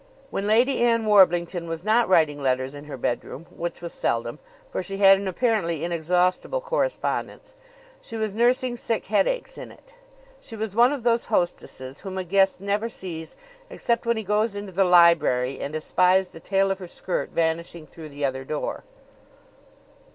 When Lady Ann Warblington was not writing letters in her bedroom which was seldom, for she had an apparently inexhaustible correspondence she was nursing sick headaches in it. She was one of those hostesses whom a guest never sees except when he goes into the library and espies the tail of her skirt vanishing through the other door.